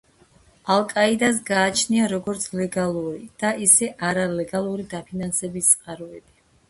ალ-კაიდას გააჩნია როგორც ლეგალური და ისე არალეგალური დაფინანსების წყაროები.